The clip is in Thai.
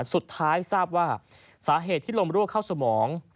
สุดท้ายทราบว่าสาเหตุที่ลมรั่วเข้าสมอง